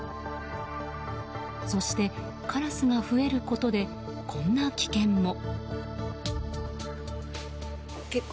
そして、カラスが増えることでこんな危険も。